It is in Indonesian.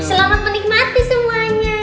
selamat menikmati semuanya